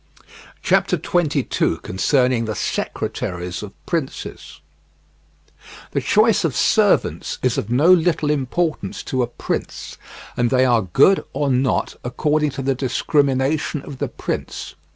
CONCERNING THE SECRETARIES OF PRINCES The choice of servants is of no little importance to a prince, and they are good or not according to the discrimination of the prince.